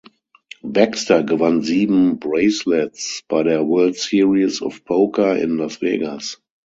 Baxter gewann sieben Bracelets bei der "World Series of Poker" in Las Vegas.